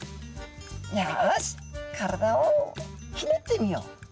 「よし体をひねってみよう」。